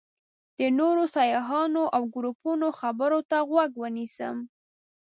د نورو سیاحانو او ګروپونو خبرو ته غوږ ونیسم.